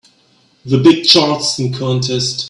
The big Charleston contest.